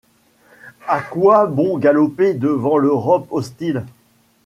A quoi bon galoper devant l'Europe hostile ?